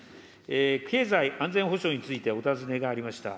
経済安全保障についてお尋ねがありました。